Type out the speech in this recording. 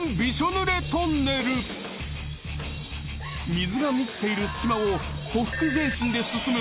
［水が満ちている隙間をほふく前進で進む］